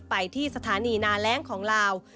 ไปที่สถานีนาแร้งของลาว